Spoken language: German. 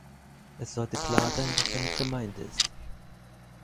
Es sollte klar sein, was damit gemeint ist.